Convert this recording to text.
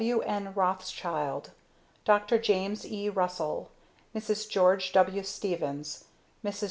W. N. ROTHSCHILD DR. JAMES E. RUSSELL MRS. GEORGE W. STEVENS MRS.